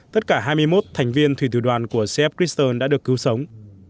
tất cả hai mươi một thành viên thủy thủ đoàn của cf crystal đã được cứu sống